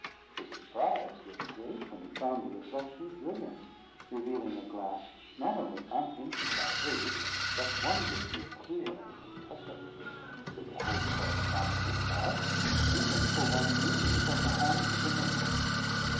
His surprise was great when he found the reflection brilliant, revealing a glass not only uninjured by age, but wondrously clear and perfect (should the whole correspond to this part) even for one newly from the hands of the maker.